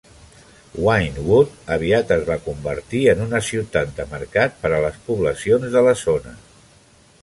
Wynnewood aviat es va convertir en una ciutat de mercat per a les poblacions de la zona.